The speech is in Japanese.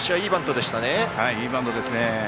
いいバントですね。